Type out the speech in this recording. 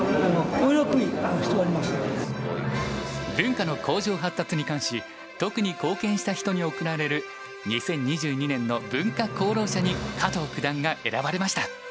文化の向上発達に関し特に貢献した人に贈られる２０２２年の文化功労者に加藤九段が選ばれました。